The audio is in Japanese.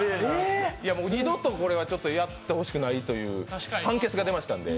二度とこれはやってほしくないという判決が出ましたので。